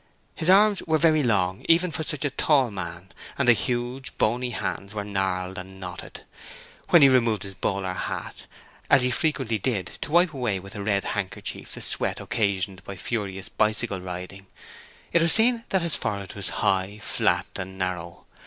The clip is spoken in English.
His arms were very long even for such a tall man, and the huge, bony hands were gnarled and knotted. When he removed his bowler hat, as he frequently did to wipe away with a red handkerchief the sweat occasioned by furious bicycle riding, it was seen that his forehead was high, flat and narrow.